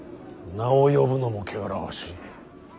名を呼ぶのも汚らわしい。